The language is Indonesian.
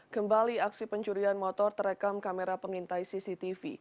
kembali aksi pencurian motor terekam kamera pengintai cctv